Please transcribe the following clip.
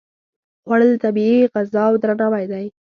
خوړل د طبیعي غذاو درناوی دی